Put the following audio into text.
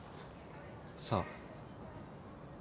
さあ。